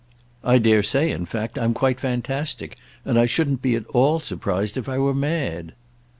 I dare say in fact I'm quite fantastic, and I shouldn't be at all surprised if I were mad."